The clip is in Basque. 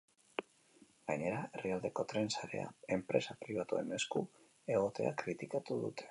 Gainera, herrialdeko tren sarea enpresa pribatuen esku egotea kritikatu dute.